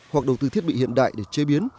hoặc đầu tư thiết bị hiện đại để chế biến